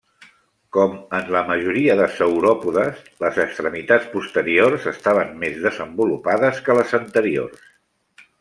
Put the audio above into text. Com en la majoria de sauròpodes, les extremitats posteriors estaven més desenvolupades que les anteriors.